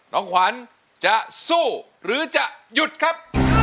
น้องขวัญจะสู้หรือจะหยุดครับ